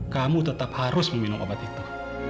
kamu tetap harus meminum obat itu